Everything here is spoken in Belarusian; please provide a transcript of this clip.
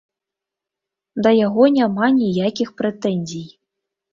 Да яго няма ніякіх прэтэнзій.